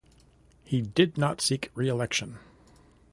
He did not seek reelection.